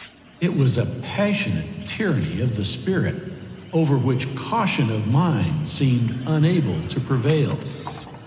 It was a passionate tyranny of the spirit over which caution of mind seemed unable to prevail.